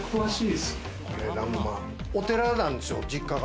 お寺なんですよ、実家が。